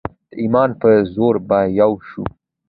د ایمان په زور به یو شو.